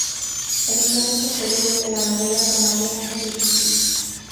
Ediciones posteriores de la novela tomarían ese título.